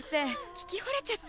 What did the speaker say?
聞きほれちゃった。